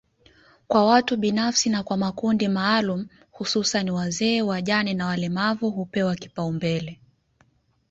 kwa watu binafsi na kwa makundi maalumu hususani wazee wajane na walemavu hupewa kipaumbele